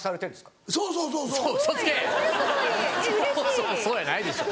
「そうそう」やないでしょ。